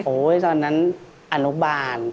โอ๊ยตอนนั้นอานุบาล